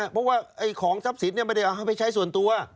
เพราะว่าของทรัพย์สินไม่ได้เอาให้ไปใช้ส่วนตัว